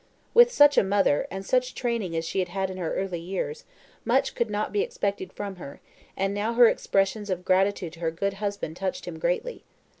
With such a mother, and such training as she had had in her early years, much could not be expected from her, and now her expressions of gratitude to her good husband touched him greatly.